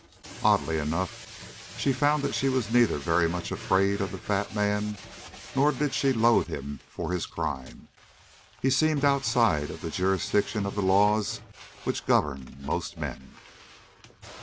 Oddly enough, she found that she was neither very much afraid of the fat man, nor did she loathe him for his crime. He seemed outside of the jurisdiction of the laws which govern most men.